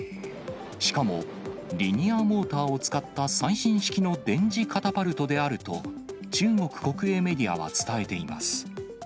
しかも、リニアモーターを使った最新式の電磁カタパルトであると、中国国営メディアは伝えています。